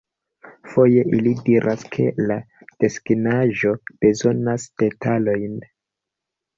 Foje, ili diras ke la desegnaĵo bezonas detalojn.